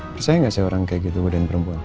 percaya gak saya orang kayak gitu godain perempuan